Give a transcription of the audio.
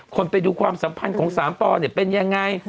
คนไปดูความสัมพันธ์ของสามปอเป็นอย่างไร